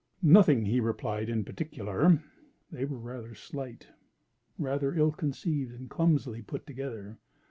"Nothing," he replied, "in particular." They were rather slight, rather ill conceived, and clumsily put together.